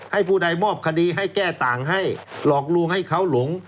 ผู้ใดมอบคดีให้แก้ต่างให้หลอกลวงให้เขาหลง